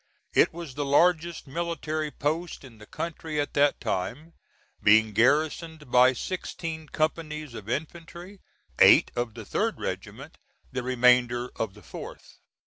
It was the largest military post in the country at that time, being garrisoned by sixteen companies of infantry, eight of the 3d regiment, the remainder of the 4th.